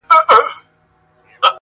شپه كي هم خوب نه راځي جانه زما.